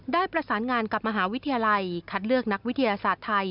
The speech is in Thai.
ได้ประสานงานกับมหาวิทยาลัยคัดเลือกนักวิทยาศาสตร์ไทย